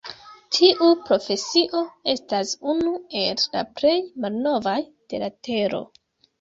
Tiu profesio estas unu el la plej malnovaj de la tero.